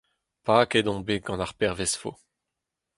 Paket on bet gant ar pervezfo.